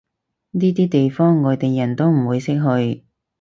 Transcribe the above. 呢啲地方外地人唔會識去